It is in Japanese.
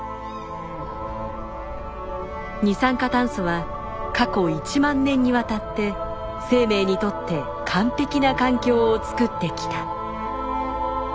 二酸化炭素は過去１万年にわたって生命にとって完璧な環境をつくってきた。